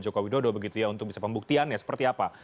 joko widodo begitu ya untuk bisa pembuktiannya seperti apa